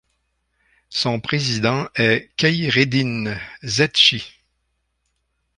Son président est Kheïreddine Zetchi.